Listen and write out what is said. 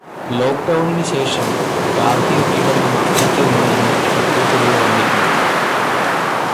ലോക്ക്ഡൗണിന് ശേഷം ഗാർഹികപീഡനം വർധിക്കുന്നു എന്ന റിപ്പോർടുകൾ വന്നിരുന്നു.